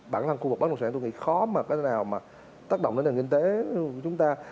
bản thân khu vực bất động sản tôi nghĩ khó mà cái nào mà tác động đến nền kinh tế của chúng ta